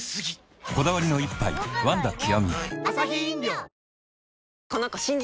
こだわりの一杯「ワンダ極」